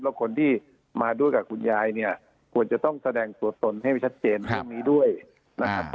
แล้วคนที่มาด้วยกับคุณยายเนี่ยควรจะต้องแสดงตัวตนให้ชัดเจนเรื่องนี้ด้วยนะครับ